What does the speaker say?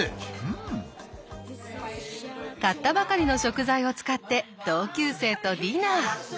買ったばかりの食材を使って同級生とディナー。